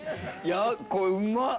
これ、うまっ。